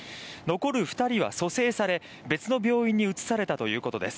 残る２人は蘇生され、別の病院に移されたということです。